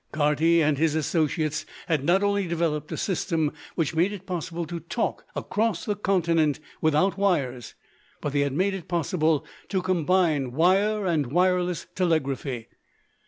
Carty and his associates had not only developed a system which made it possible to talk across the continent without wires, but they had made it possible to combine wire and wireless telegraphy.